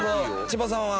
千葉さんは？